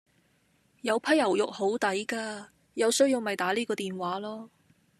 有批牛肉好抵架，有需要咪打呢個電話囉